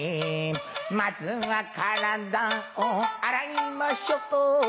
まずは体を洗いましょと